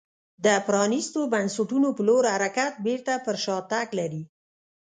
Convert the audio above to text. د پرانیستو بنسټونو په لور حرکت بېرته پر شا تګ لري.